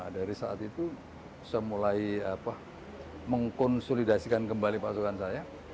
dari saat itu saya mulai mengkonsolidasikan kembali pasukan saya